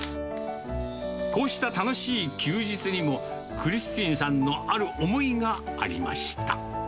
こうした楽しい休日にも、クリスティンさんのある思いがありました。